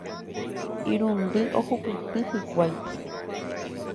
Irundy ohupyty hikuái.